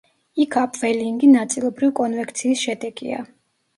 იქ აპველინგი ნაწილობრივ კონვექციის შედეგია.